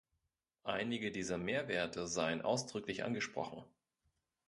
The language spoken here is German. Einige dieser Mehrwerte seien ausdrücklich angesprochen.